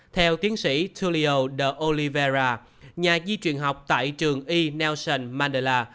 theo tiến sĩ tulio de oliveira nhà di truyền học tại trường e nelson mandela